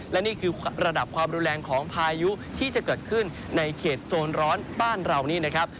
และนี่คือระดับความรุนแรงของพายุที่จะเกิดขึ้นในเขตโซนร้อนบ้านเรานี่นะครับ